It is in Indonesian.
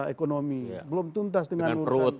ekonomi belum tuntas dengan